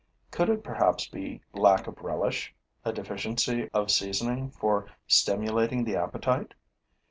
Could it perhaps be lack of relish, a deficiency of seasoning for stimulating the appetite?